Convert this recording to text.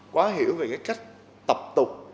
quá hiểu về cái cách tập tục